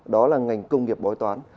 đó là ngành công nghiệp bói toán